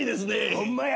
ホンマや！